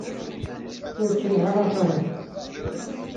Ur ttruḥ ara axir-ik.